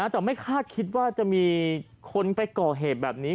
แต่ไม่คาดคิดว่าจะมีคนไปก่อเหตุแบบนี้